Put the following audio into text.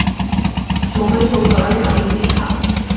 সময় সমীকরণের অনেকগুলি ধাপ।